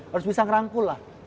harus bisa ngerangkul lah